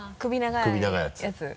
首長いやつ？